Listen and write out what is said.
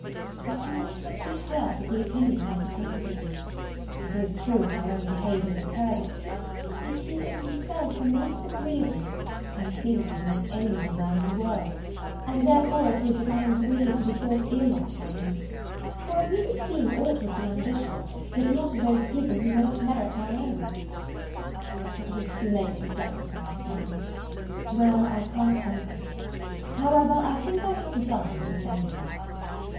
I cannot but be hurt at the opinion he entertains of me. It is true my own behaviour incurred it yet he is himself the most agreeable, and, seemingly, the most amiable man in the world, and therefore it is that I am grieved to be thought ill of by him: for of whose esteem ought we to be ambitious, if not of those who most merit our own? But it is too late to reflect upon this now. Well I can't help it. However, I think I have done with assemblies.